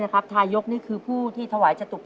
ตอบคำถามไปสองข้อตอบถูกหนึ่งข้อ